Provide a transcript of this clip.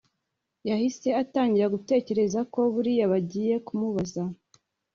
yahise atangira gutekereza ko buriya bagiye kumubaza